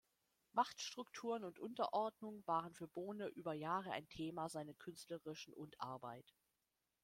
Machtstrukturen und Unterordnung waren für Bohner über Jahre ein Thema seiner künstlerischen und Arbeit.